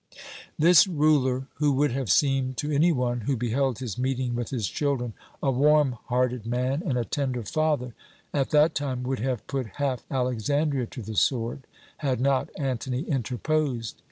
"This ruler, who would have seemed to any one who beheld his meeting with his children a warm hearted man and a tender father, at that time would have put half Alexandria to the sword, had not Antony interposed.